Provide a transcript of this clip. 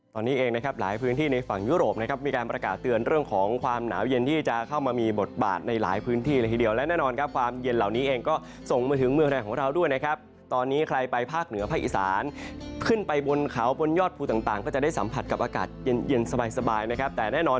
ตอนนี้เองนะครับหลายพื้นที่ในฝั่งยุโรปนะครับมีการประกาศเตือนเรื่องของความหนาวเย็นที่จะเข้ามามีบทบาทในหลายพื้นที่เลยทีเดียวและแน่นอนครับความเย็นเหล่านี้เองก็ส่งมาถึงเมืองไทยของเราด้วยนะครับตอนนี้ใครไปภาคเหนือภาคอีสานขึ้นไปบนเขาบนยอดภูต่างก็จะได้สัมผัสกับอากาศเย็นเย็นสบายนะครับแต่แน่นอน